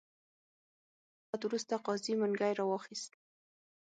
له یو ساعت وروسته قاضي منګی را واخیست.